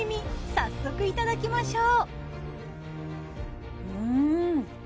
早速いただきましょう。